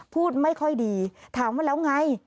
พูดไม่ค่อยดีถามว่าแล้วไง